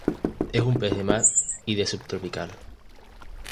Es un pez de mar y de subtropical.